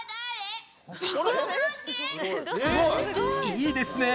いいですね！